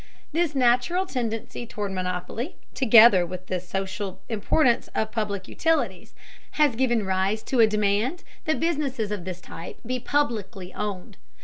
This natural tendency toward monopoly, together with the social importance of public utilities, has given rise to a demand that businesses of this type be publicly owned.